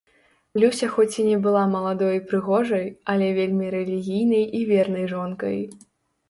Люся хоць і не была маладой і прыгожай, але вельмі рэлігійнай і вернай жонкай.